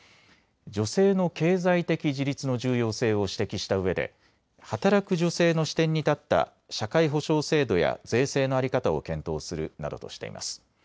女性の経済的自立の重要性を指摘したうえで働く女性の視点に立った社会保障制度や税制の在り方を検討するなどとしています。